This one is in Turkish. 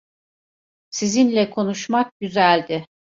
Sizinle konuşmak güzeldi.